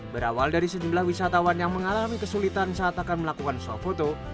berawal dari sejumlah wisatawan yang mengalami kesulitan saat akan melakukan suap foto